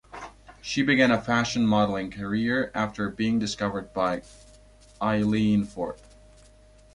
She began a fashion modeling career after being discovered by Eileen Ford.